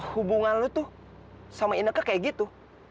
hubungan lu tuh sama inaknya kayak gitu